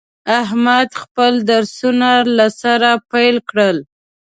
احمد خپل درسونه له سره پیل کړل.